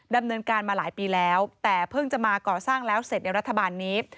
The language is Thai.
ดำเนินการมาหลายปีแล้วแต่เพิ่งจะมาก่อสร้างแล้วเสร็จในรัฐบาลนี้